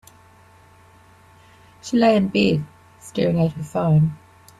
She lay in bed, staring at her phone.